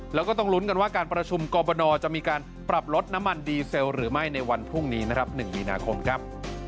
แล้วก็ต้องลุ้นกันว่าการประชุมกรบนจะมีการปรับลดน้ำมันดีเซลหรือไม่ในวันพรุ่งนี้นะครับ๑มีนาคมครับ